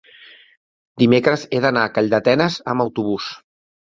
dimecres he d'anar a Calldetenes amb autobús.